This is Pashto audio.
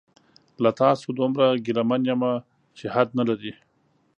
له تاسو دومره ګیله من یمه چې حد نلري